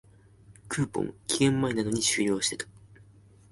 クーポン、期限前なのに終了してた